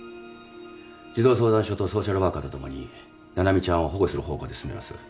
児童相談所とソーシャルワーカーと共に七海ちゃんを保護する方向で進めます。